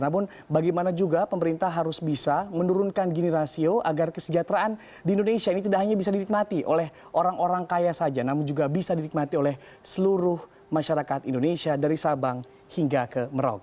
namun bagaimana juga pemerintah harus bisa menurunkan gini rasio agar kesejahteraan di indonesia ini tidak hanya bisa dinikmati oleh orang orang kaya saja namun juga bisa dinikmati oleh seluruh masyarakat indonesia dari sabang hingga ke merauke